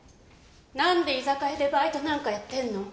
なんで居酒屋でバイトなんかやってんの？